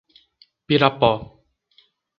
Pirapó